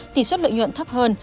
tỷ suất lợi nhuận thấp hơn